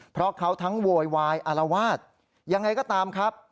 เพราะเขาทั้งโวยวายอารวาสยังไงก็ตามครับ